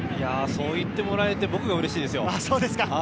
そう言ってもらえて僕がうれしいですよ。